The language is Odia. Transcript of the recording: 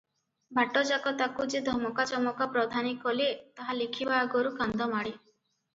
ବାଟଯାକ ତାକୁ ଯେ ଧମକା ଚମକା ପ୍ରଧାନେ କଲେ ତାହା ଲେଖିବା ଆଗରୁ କାନ୍ଦମାଡ଼େ ।